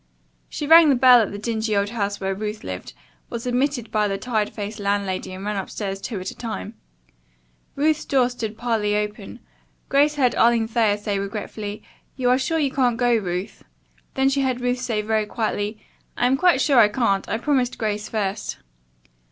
She rang the bell at the dingy old house where Ruth lived, was admitted by the tired faced landlady and ran upstairs two at a time. Ruth's door stood partly open. Grace heard Arline Thayer say regretfully, "You are sure you can't go, Ruth?" Then she heard Ruth say, very quietly: "I am quite sure I can't. I promised Grace first."